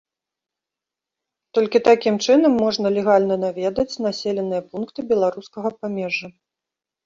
Толькі такім чынам можна легальна наведаць населеныя пункты беларускага памежжа.